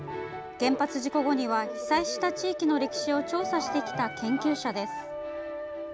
原発事故後には被災した地域の歴史を調査してきた研究者です。